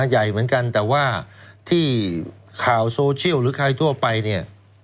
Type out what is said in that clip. ใหญ่เหมือนกันแต่ว่าที่ข่าวโซเชียลหรือใครทั่วไปเนี่ย